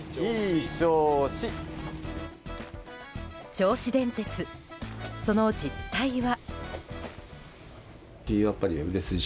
銚子電鉄、その実態は。